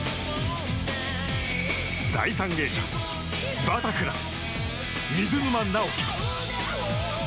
第３泳者バタフライ、水沼尚輝。